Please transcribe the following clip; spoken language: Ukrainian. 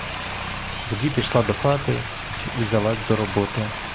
Тоді пішла до хати й узялася до роботи.